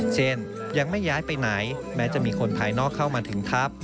เช่นยังไม่ย้ายไปไหนแม้จะมีคนภายนอกเข้ามาถึงทัพ